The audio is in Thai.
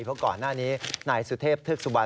เถอะก่อนร่างนี้นายสุเทพเทือกสุบัน